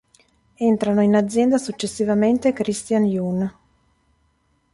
Entrano in azienda successivamente Christian jun.